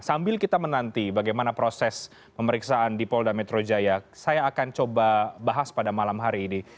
sambil kita menanti bagaimana proses pemeriksaan di polda metro jaya saya akan coba bahas pada malam hari ini